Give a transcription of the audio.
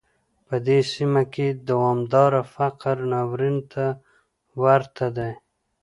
په دې سیمه کې دوامداره فقر ناورین ته ورته دی.